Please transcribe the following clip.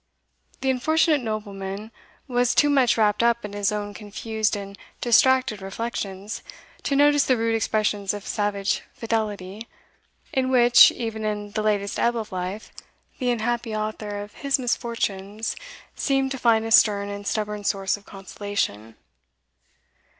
The unfortunate nobleman was too much wrapped up in his own confused and distracted reflections, to notice the rude expressions of savage fidelity, in which, even in the latest ebb of life, the unhappy author of his misfortunes seemed to find a stern and stubborn source of consolation.